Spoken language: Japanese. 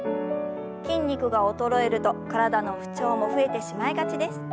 筋肉が衰えると体の不調も増えてしまいがちです。